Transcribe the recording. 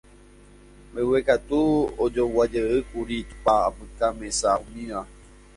Mbeguekatúpe ojoguajeýkuri tupa, apyka, mesa, umíva.